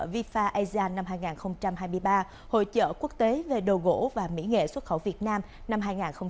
vifa ajia năm hai nghìn hai mươi ba hội trợ quốc tế về đồ gỗ và mỹ nghệ xuất khẩu việt nam năm hai nghìn hai mươi bốn